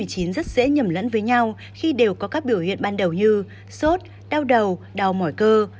covid một mươi chín rất dễ nhầm lẫn với nhau khi đều có các biểu hiện ban đầu như sốt đau đầu đau mỏi cơ